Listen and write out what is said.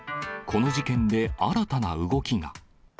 この事件で新たな動きが。